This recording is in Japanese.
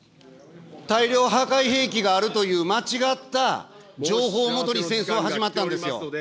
大量破壊兵器があるという間違った情報を基に戦争は始まったんですよ。